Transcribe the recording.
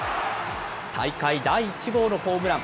大会第１号のホームラン。